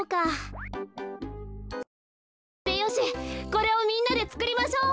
これをみんなでつくりましょう。